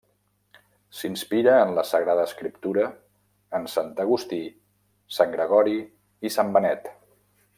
S'inspira en la Sagrada Escriptura, en sant Agustí, sant Gregori i sant Benet.